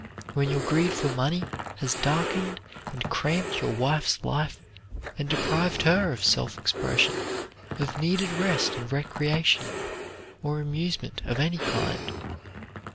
When your greed for money has darkened and cramped your wife's life, and deprived her of self expression, of needed rest and recreation, or amusement of any kind.